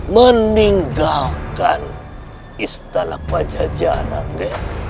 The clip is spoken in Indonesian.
meninggalkan istana pajajaran gen